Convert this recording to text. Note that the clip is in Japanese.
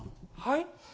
⁉はい？